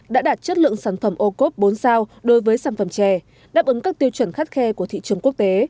đã đạt chất lượng sản phẩm ô cốp bốn sao đối với sản phẩm chè đáp ứng các tiêu chuẩn khắt khe của thị trường quốc tế